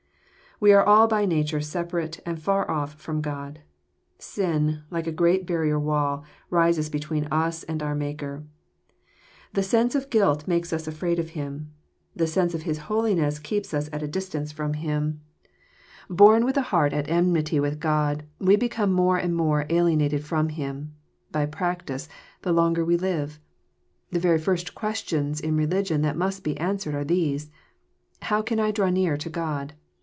f ■ We are all by nature separate and far off fi'om G od. Sin, like a great barrier wall,~rises between us and our Maker. I'he sense of guilt makes_us afraid of Him. The sense of His holiness keeps us at a distance from Him. 178 EXFOSITOBT THOUGHTS. Born with a heart at enmity with God, we become more and more alienated from Him, by practice, the longer we live. The very first questions in religion that must be answered, are these: ''How can I draw near to God?